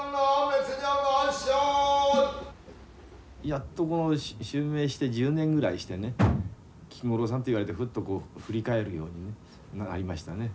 やっと襲名して１０年ぐらいしてね菊五郎さんって言われてふっと振り返るようにねなりましたね。